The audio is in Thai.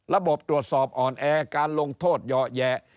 ระบบตรวจสอบอ่อนแอการลงโทษเหยาะแยะ